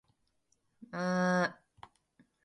アラゴアス州の州都はマセイオである